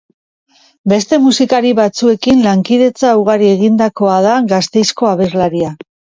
Beste musikari batzuekin lankidetza ugari egindakoa da Gasteizko abeslaria.